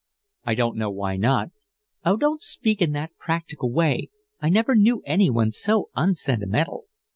"I don't know why not." "Oh, don't speak in that practical way. I never knew anyone so unsentimental."